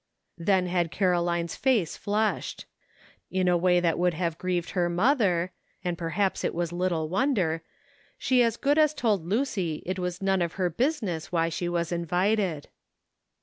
Then had Caroline's face flushed. In a way that would have grieved her mother — and per haps it was little wonder — she as good as told Lucy it was none of her business why she was invited.